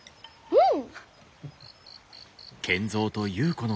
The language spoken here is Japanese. うん！